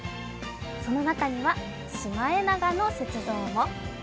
その中には、シマエナガの雪像も。